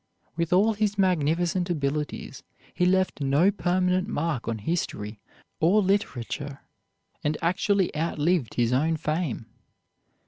With all his magnificent abilities he left no permanent mark on history or literature, and actually outlived his own fame.